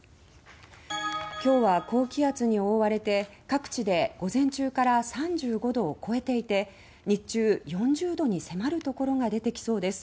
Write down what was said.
今日は高気圧に覆われて各地で午前中から３５度を超えていて日中４０度に迫る所が出てきそうです。